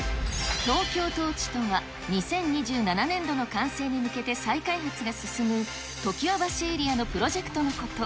トーキョートーチとは、２０２７年度の完成に向けて再開発が進む、常盤橋エリアのプロジェクトのこと。